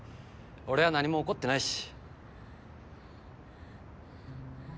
俺は何も怒ってないし。